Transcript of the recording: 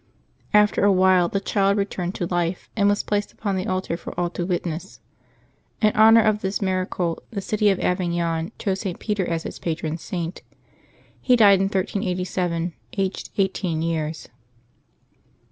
After a while the child returned to life, and was placed upon the altar for all to witness. In honor of this miracle the city of Avignon chose St. Peter as its patron Saint. He died in 1387, aged eighteen years.